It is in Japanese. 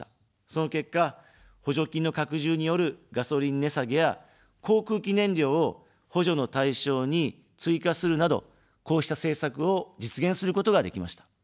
その結果、補助金の拡充によるガソリン値下げや航空機燃料を補助の対象に追加するなど、こうした政策を実現することができました。